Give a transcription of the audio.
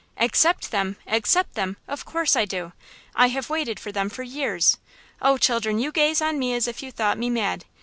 "Accept them! accept them! Of course I do. I have waited for them for years. Oh, children, you gaze on me as if you thought me mad.